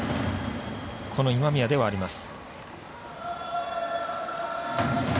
この今宮ではあります。